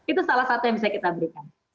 itu salah satu yang bisa kita berikan